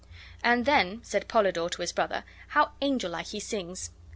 "And then," said Polydore to his brother, "how angel like he sings!"